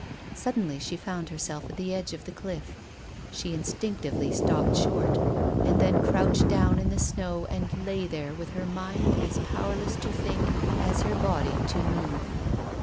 Suddenly she found herself at the edge of the cliff. She instinctively stopped short, and then crouched down in the snow and lay there with her mind as powerless to think as her body to move.